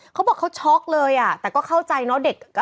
เขาบอกเขาช็อกเลยแต่ก็เข้าใจนะ